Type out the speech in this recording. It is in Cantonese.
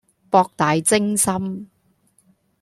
博大精深